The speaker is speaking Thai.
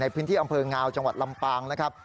พื้นที่อำเภองาวจังหวัดลำปางนะครับ